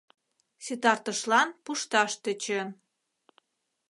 Ситартышлан пушташ тӧчен.